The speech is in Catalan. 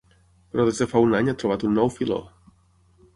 Però des de fa un any ha trobat un nou filó.